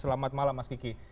selamat malam mas kiki